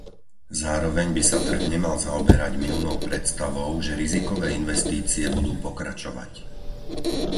Zároveň by sa trh nemal zaoberať mylnou predstavou, že rizikové investície budú pokračovať.